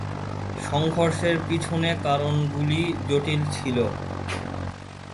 সংঘর্ষের পিছনে কারণগুলি জটিল ছিল।